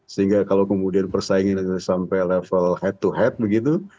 sehingga kalau kemudian persaingan itu sampai level head to head begitu